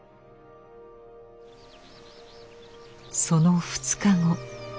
その２日後